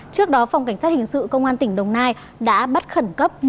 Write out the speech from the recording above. trước đó phòng cảnh sát hình sự công an tỉnh đồng nai đã bắt khẩn cấp